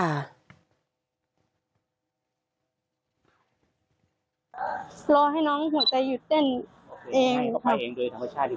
รอให้น้องหัวใจหยุดเต้นเอง